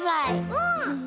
うん！